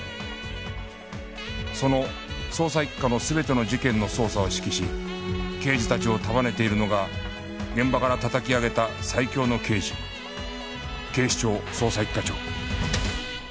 その捜査一課の全ての事件の捜査を指揮し刑事たちを束ねているのが現場から叩き上げた最強の刑事警視庁捜査一課長